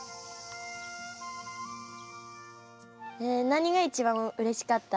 何が一番うれしかった？